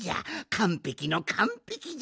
かんぺきのかんぺきじゃ！